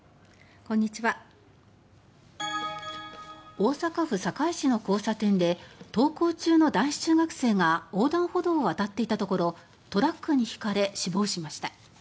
大阪府堺市の交差点で登校中の男子中学生が横断歩道を渡っていたところトラックにひかれ死亡しました。